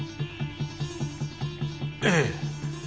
ええ。